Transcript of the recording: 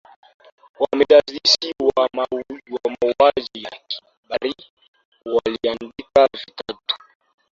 wamedadisi wa mauaji ya kimbari waliandika vitabu